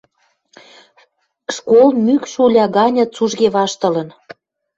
Школ мӱкш уля ганьы цужге ваштылын.